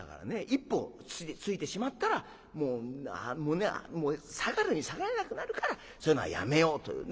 一歩ついてしまったらもう下がるに下がれなくなるからそういうのはやめようという。